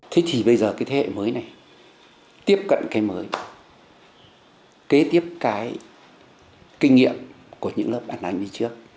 thế thì bây giờ cái thế hệ mới này tiếp cận cái mới kế tiếp cái kinh nghiệm của những lớp bản án đi trước